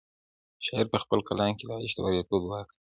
شاعر په خپل کلام کې د عشق د بریالیتوب دعا کوي.